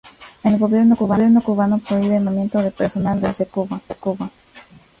El gobierno cubano prohíbe más reclutamiento de personal desde Cuba.